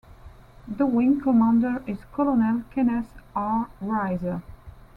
The wing commander is Colonel Kenneth R. Rizer.